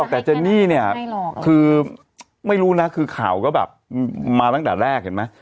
แต่เจนนี่เนี่ยคือไม่รู้นะคือข่าวก็แบบมาตั้งแต่แรกเห็นไหม